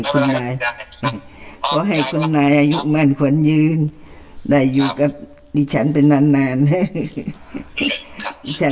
เพราะให้คุณนายอายุมันควรยืนได้อยู่กับดิฉันไปนานนะคะ